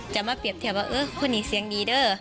มาเปรียบเทียบว่าเออคนนี้เสียงดีเด้อ